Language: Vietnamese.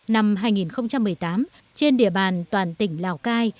năm hai nghìn một mươi tám trên địa bàn toàn tỉnh lào cai